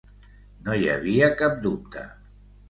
No hi havia cap dubte.